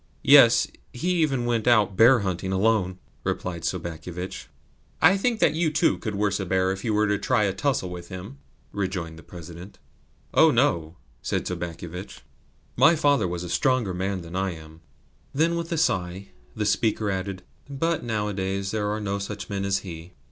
"Yes, he even went out bear hunting alone," replied Sobakevitch. "I should think that you too could worst a bear if you were to try a tussle with him," rejoined the President. "Oh no," said Sobakevitch. "My father was a stronger man than I am." Then with a sigh the speaker added: "But nowadays there are no such men as he.